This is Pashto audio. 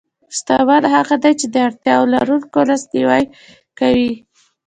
شتمن هغه دی چې د اړتیا لرونکو لاسنیوی کوي.